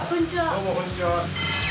どうもこんにちは。